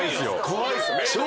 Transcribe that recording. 怖いっすよ。